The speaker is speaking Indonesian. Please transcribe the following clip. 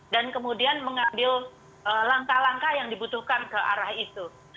dan kemudian mengambil langkah langkah yang dibutuhkan ke arah itu